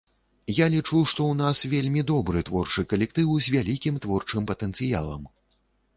Я лічу, што ў нас вельмі добры творчы калектыў, з вялікім творчым патэнцыялам.